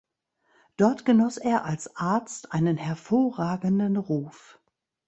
Dort genoss er als Arzt einen hervorragenden Ruf.